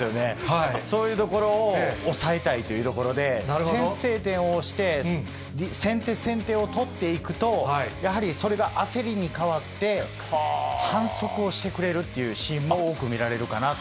そういうところを抑えたいというところで、先制点をして、先手先手を取っていくと、やはりそれが焦りに変わって、反則をしてくれるっていうシーンも多く見られるかなと。